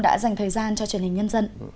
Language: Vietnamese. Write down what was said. đã dành thời gian cho truyền hình nhân dân